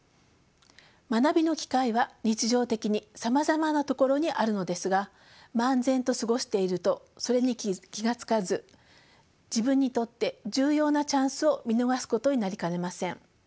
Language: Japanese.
学びの機会は日常的にさまざまなところにあるのですが漫然と過ごしているとそれに気が付かず自分にとって重要なチャンスを見逃すことになりかねません。